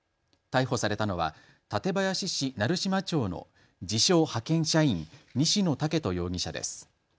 逮捕されたのは館林市成島町の自称、派遣社員、西野豪人容疑者です。